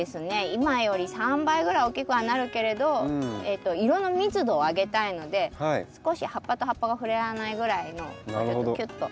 今より３倍ぐらい大きくはなるけれど色の密度を上げたいので少し葉っぱと葉っぱが触れ合わないぐらいのもうちょっとキュッと。